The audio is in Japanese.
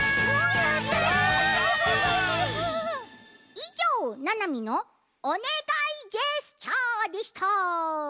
いじょうななみの「おねがいジェスチャー！」でした。